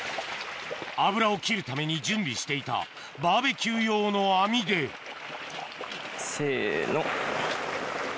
油を切るために準備していたバーベキュー用の網でせの。